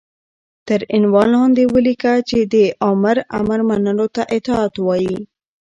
تر عنوان لاندې وليكه چې دآمر امر منلو ته اطاعت وايي